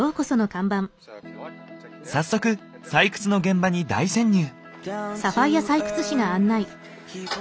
早速採掘の現場に大潜入！